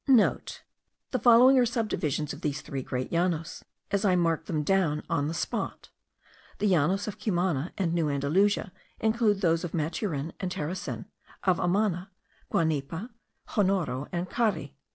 (* The following are subdivisions of these three great Llanos, as I marked them down on the spot. The Llanos of Cumana and New Andalusia include those of Maturin and Terecen, of Amana, Guanipa, Jonoro, and Cari.